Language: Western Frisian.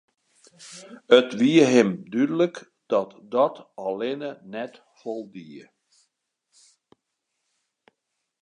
It wie him dúdlik dat dat allinne net foldie.